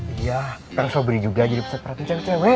iya perutnya beri juga jadi pusat perhatian cewek cewek